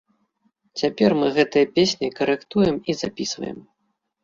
Цяпер мы гэтыя песні карэктуем і запісваем.